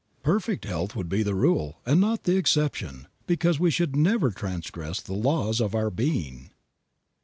Perfect health would be the rule and not the exception, because we should never transgress the laws of our being.